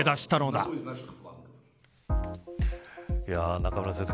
中村先生